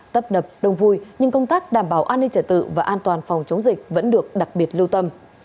tấp nập đông vui nhưng công tác đảm bảo an ninh trả tự và an toàn phòng chống dịch vẫn được đặc biệt lưu tâm